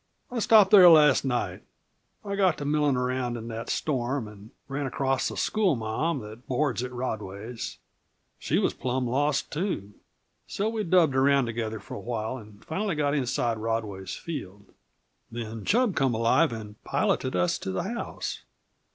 "I stopped there last night. I got to milling around in that storm, and ran across the schoolma'am that boards at Rodway's, She was plumb lost, too, so we dubbed around together for a while, and finally got inside Rodway's field. Then Chub come alive and piloted us to the house.